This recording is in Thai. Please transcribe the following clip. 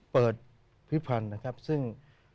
เปิดพิพันธุ์นะครับซึ่ง